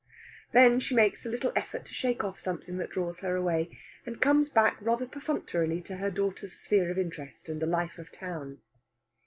Then she makes a little effort to shake off something that draws her away, and comes back rather perfunctorily to her daughter's sphere of interest and the life of town.